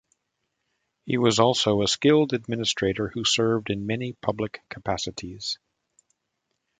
He was also a skilled administrator who served in many public capacities.